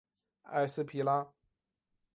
埃斯皮拉。